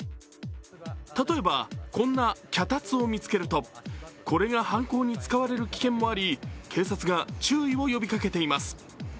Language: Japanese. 例えば、こんな脚立を見つけるとこれが犯行に使われる危険もあり警察が注意を呼びかけています。